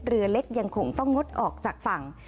เรือเล็กยังคงต้องงดออกจากฝั่ง